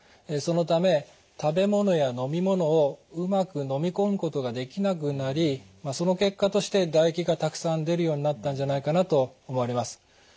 そのため食べ物や飲み物をうまくのみ込むことができなくなりその結果として唾液がたくさん出るようになったんじゃないかなと思われます。